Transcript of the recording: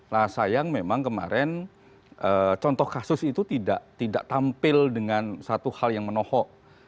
nah sayang memang kemarin contoh kasus itu tidak tampil dengan satu hal yang menohok